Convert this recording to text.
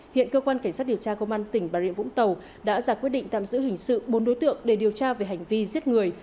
hiện cơ quan cảnh sát điều tra công an tỉnh bà rịa vũng tàu đã giả quyết định tạm giữ hình sự bốn đối tượng để điều tra về hành vi giết người